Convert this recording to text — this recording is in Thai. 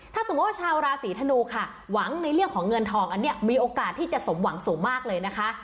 ถ้าสมมุติว่าชาวราศีธนูค่ะหวังในเรื่องของเงินทองอันนี้มีโอกาสที่จะสมหวังสูงมากเลยนะคะ